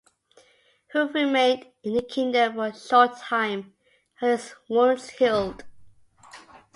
Hugh remained in the kingdom for a short time, while his wounds healed.